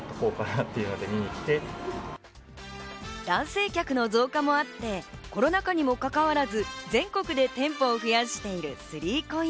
男性客の増加もあってコロナ禍にもかかわらず、全国で店舗を増やしている３ＣＯＩＮＳ。